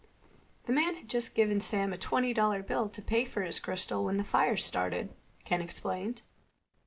"The man had just given Sam a twenty dollar bill to pay for his crystal when the fire started," Ken explained.